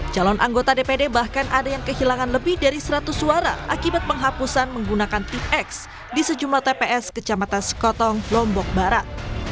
calon anggota dpd bahkan ada yang kehilangan lebih dari seratus suara akibat penghapusan menggunakan tip x di sejumlah tps kecamatan sekotong lombok barat